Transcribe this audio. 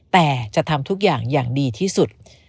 แต่จะทำทุกอย่างอย่างดีที่สุด